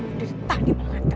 aku tuh derita di pengantin